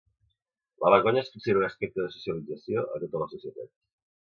La vergonya es considera un aspecte de socialització a totes les societats.